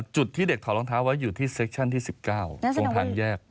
จุดที่เด็กถอดรองเท้าไว้อยู่ที่เซคชั่นที่๑๙ตรงทางแยก